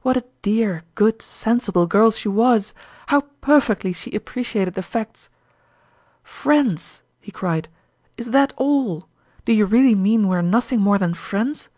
What a dear, good, sensible girl she was ! How perfectly she appreciated the facts !" Friends !" he cried. " Is that all f Do you really mean we are nothing more than friends?"